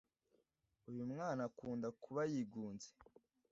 Uyumwana akunda kuba yigunze